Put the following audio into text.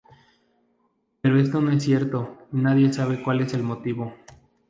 Pero esto no es cierto y nadie sabe cuál es el motivo.